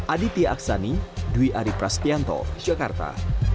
aditya aksani dwi adi prasetyanto jakarta